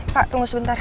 pak tunggu sebentar